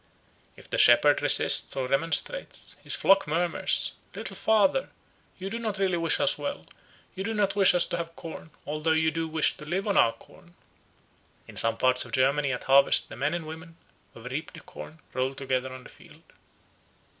If the shepherd resists or remonstrates, his flock murmurs, "Little Father, you do not really wish us well, you do not wish us to have corn, although you do wish to live on our corn." In some parts of Germany at harvest the men and women, who have reaped the corn, roll together on the field.